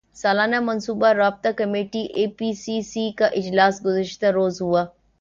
سالانہ منصوبہ رابطہ کمیٹی اے پی سی سی کا اجلاس گزشتہ روز ہوا